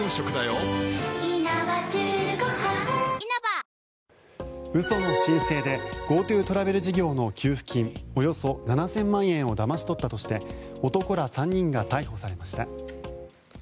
新「グリーンズフリー」嘘の申請でＧｏＴｏトラベル事業の給付金およそ７０００万円をだまし取ったとして男ら３人が逮捕されました。